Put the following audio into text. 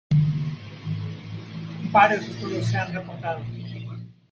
Varios estudios se han reportado.